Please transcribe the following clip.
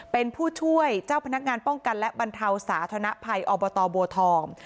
เป็นผู้ช่วยเจ้าพนักงานป้องกันและบรรเทาสาธนภัยอบตบัวทอง